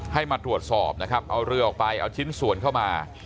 ให้มาตรวจสอบนะครับเอาเรือออกไปเอาชิ้นส่วนเข้ามา